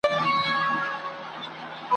چي د دواړو په شعرونو کي `